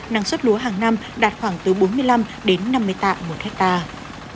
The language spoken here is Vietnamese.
năng suất lúa hàng năm đạt khoảng từ bốn mươi năm đến năm mươi tạng một hectare